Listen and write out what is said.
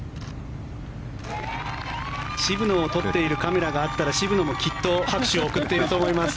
渋野を撮っているカメラがあったら渋野もきっと拍手を送っていると思います。